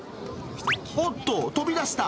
おっと、飛び出した。